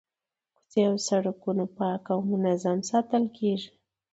کوڅې او سړکونه پاک او منظم ساتل کیږي.